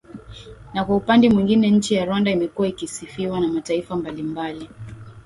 na kwa upande mwingine nchi ya rwanda imekuwa ikisifiwa na mataifa mbalimbali